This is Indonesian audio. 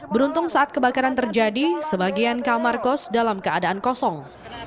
beruntung saat kebakaran terjadi sebagian kamar kos dalam keadaan kosong